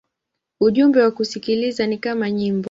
Ujumbe wa kusikiliza ni kama nyimbo.